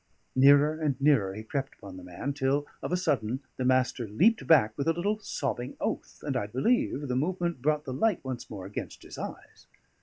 Nearer and nearer he crept upon the man, till of a sudden the Master leaped back with a little sobbing oath; and I believe the movement brought the light once more against his eyes.